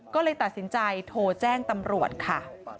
ก็เลยตัดสินใจโทรแจ้งตำรวจค่ะ